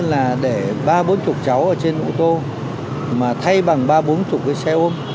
là để ba bốn mươi cháu ở trên ô tô mà thay bằng ba bốn mươi cái xe ôm